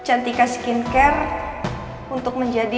untuk semua orang yang sudah menikmati